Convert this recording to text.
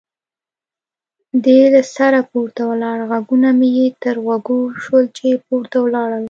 دی له سره پورته ولاړ، غږونه مې یې تر غوږو شول چې پورته ولاړل.